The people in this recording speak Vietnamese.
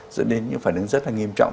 dẫn đến những phản ứng rất là nghiêm trọng